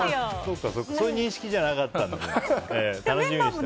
そういう認識じゃなかったんで。